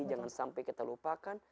jangan sampai kita lupakan